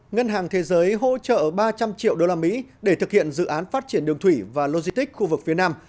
ngân hàng thế giới hỗ trợ ba trăm linh triệu đô la mỹ để thực hiện dự án phát triển đường thủy và logistic khu vực phía nam